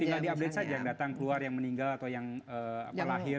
tinggal di update saja yang datang keluar yang meninggal atau yang lahir